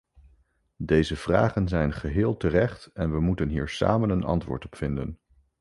Deze vragen zijn geheel terecht en we moeten hier samen een antwoord op vinden.